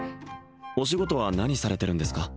お仕事は何されてるんですか？